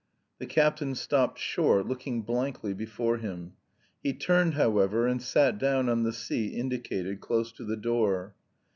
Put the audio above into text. The captain stopped short, looking blankly before him. He turned, however, and sat down on the seat indicated close to the door.